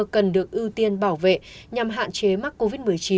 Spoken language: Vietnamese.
cần được ưu tiên bảo vệ nhằm hạn chế mắc covid một mươi chín